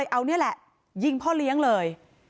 เอานี่แหละยิงพ่อเลี้ยงเลย